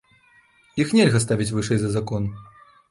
Іх нельга ставіць вышэй за закон.